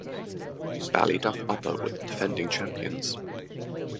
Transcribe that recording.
Ballyduff Upper were the defending champions.